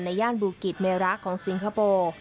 ย่านบูกิจเมระของสิงคโปร์